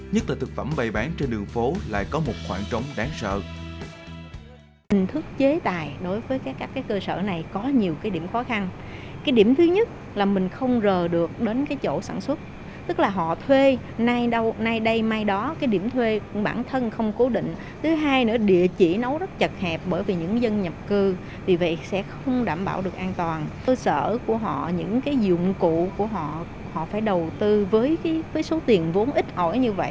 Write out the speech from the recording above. nhất là thực phẩm bày bán trên đường phố lại có một khoảng trống đáng sợ